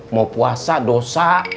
mau puasa dosa